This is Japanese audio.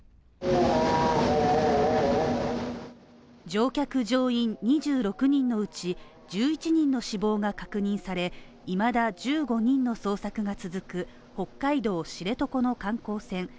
乗客乗員２６人のうち１１人の死亡が確認されいまだ１５人の捜索が続く北海道知床の観光船